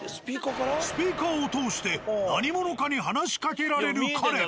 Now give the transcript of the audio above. スピーカーを通して何者かに話しかけられるカレン。